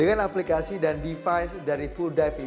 dengan aplikasi dan di play saya bisa melihat video saya sendiri di layar